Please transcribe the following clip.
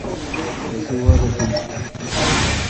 رسی وادہ بیل۔